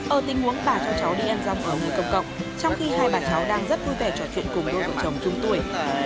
ở tình huống bà cho cháu đi ăn răng ở nơi công cộng trong khi hai bà cháu đang rất vui vẻ trò chuyện cùng với vợ chồng trung tuổi